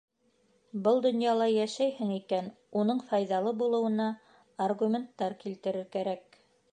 Был донъяла йәшәйһең икән, уның файҙалы булыуына аргументтар килтерер кәрәк.